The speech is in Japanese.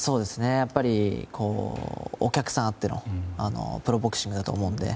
やっぱり、お客さんあってのプロボクシングだと思うので。